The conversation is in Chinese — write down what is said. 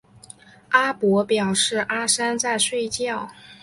阿伯表示阿三在睡觉